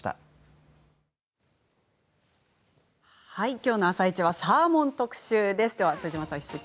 きょうの「あさイチ」はサーモン特集です。